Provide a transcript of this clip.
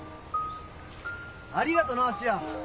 ありがとな芦屋。